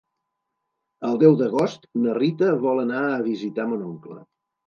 El deu d'agost na Rita vol anar a visitar mon oncle.